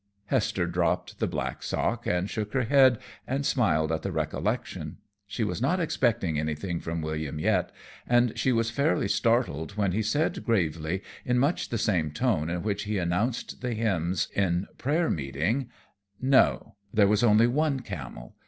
Hester dropped the black sock and shook her head and smiled at the recollection. She was not expecting anything from William yet, and she was fairly startled when he said gravely, in much the same tone in which he announced the hymns in prayer meeting: "No, there was only one camel.